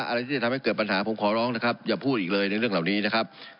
อะไรที่จะทำให้เกิดปัญหาผมขอร้องนะครับอย่าพูดอีกเลยในเรื่องเหล่านี้นะครับ